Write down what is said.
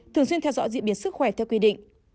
thường xuyên theo dõi diễn biến sức khỏe theo quy định